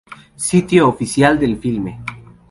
Sitio oficial del filme